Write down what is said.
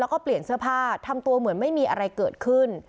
แล้วก็เปลี่ยนเสื้อผ้าทำตัวเหมือนไม่มีอะไรเกิดขึ้น